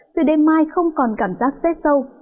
từ đêm mai không còn cảm giác rét sâu